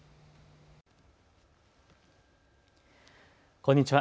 こんにちは。